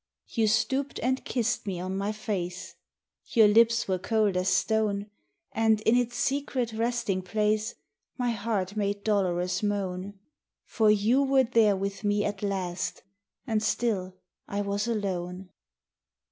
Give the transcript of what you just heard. You stooped and kissed me on my face, Your lips were cold as stone, And in its secret resting place My heart made dolorous moan. For you were there with me at last And still I was alone.